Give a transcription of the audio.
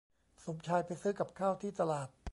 สมชายไปซื้อกับข้าวที่ตลาด